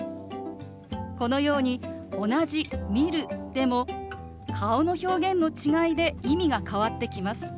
このように同じ「見る」でも顔の表現の違いで意味が変わってきます。